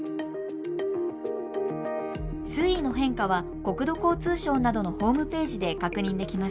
水位の変化は国土交通省などのホームページで確認できます。